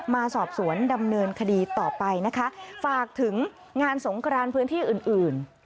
มาสอบสวนดำเนินคดีต่อไปนะคะฝากถึงงานสงครานพื้นที่อื่นอื่น